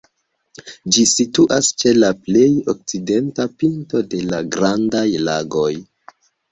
Ĝi situas ĉe la plej okcidenta pinto de la Grandaj Lagoj.